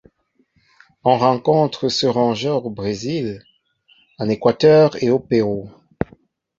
On rencontre ce rongeur au Brésil, en Équateur et au Pérou.